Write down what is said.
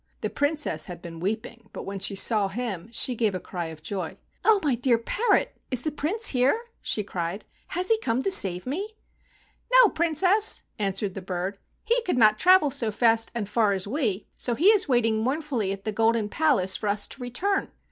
The Princess had been weep¬ ing, but when she saw him she gave a cry of joy. "Oh, my dear parrot, is the Prince here ?" she cried. "Has he come to save me ?" "No, Princess," answered the bird, "he could not travel so fast and far as we, so he is 54 AN EAST INDIAN STORY waiting mournfully at the Golden Palace for us to return.